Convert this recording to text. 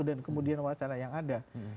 kemudian wacana yang ada